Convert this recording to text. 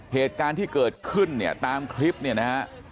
เหตุการณ์ที่เกิดขึ้นเนี่ยตามคลิปเนี่ยนะฮะ